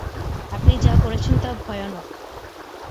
আপনি যা করেছেন তা ভয়ানক।